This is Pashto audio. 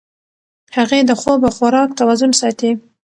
هغې د خوب او خوراک توازن ساتي.